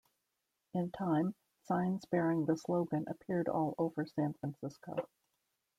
In time, signs bearing the slogan appeared all over San Francisco.